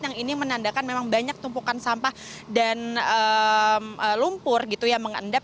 yang ini menandakan memang banyak tumpukan sampah dan lumpur gitu ya mengendap